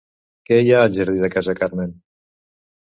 Què hi ha al jardí de Casa Carmen?